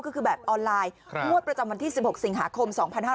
ก็คือแบบออนไลน์งวดประจำวันที่๑๖สิงหาคม๒๕๕๙